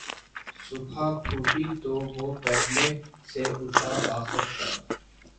صبح پھوٹی تو وہ پہلو سے اٹھا آخر شب